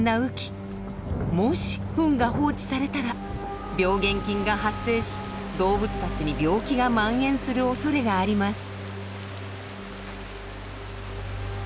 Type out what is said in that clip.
もしフンが放置されたら病原菌が発生し動物たちに病気が蔓延するおそれがあります。